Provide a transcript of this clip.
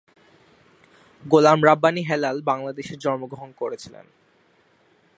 গোলাম রাব্বানী হেলাল বাংলাদেশে জন্মগ্রহণ করেছিলেন।